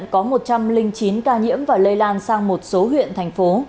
có một trăm linh chín ca nhiễm và lây lan sang một số huyện thành phố